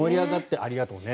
ありがとうね。